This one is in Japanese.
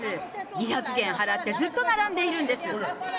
２００元払ってずっと並んでいるんです。